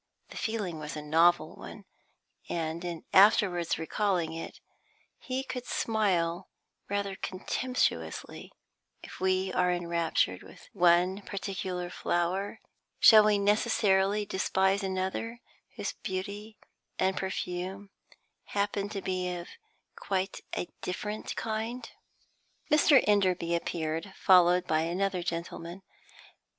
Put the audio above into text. The feeling was a novel one, and, in afterwards recalling it, he could smile rather contemptuously, If we are enraptured with one particular flower, shall we necessarily despise another, whose beauty and perfume happen to be of quite a different kind? Mr. Enderby appeared, followed by another gentleman.